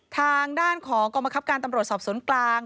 ทางด้านของกรมคับการตำรวจสอบสวนกลาง